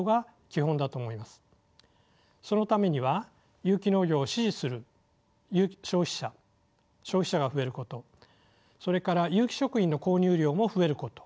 そのためには有機農業を支持する消費者が増えることそれから有機食品の購入量も増えること。